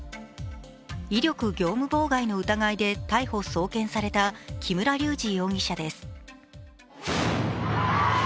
威力業務妨害の疑いで逮捕・送検された木村隆二容疑者です。